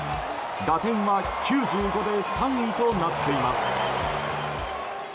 打点は９５で３位となっています。